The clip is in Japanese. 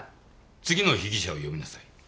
次の被疑者を呼びなさい。